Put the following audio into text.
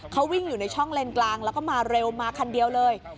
เขาวิ่งอยู่ในช่องเลนกลางแล้วก็มาเร็วมาคันเดียวเลย